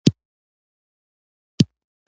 د کلو پرمختګ د خلکو کار ته تړلی دی.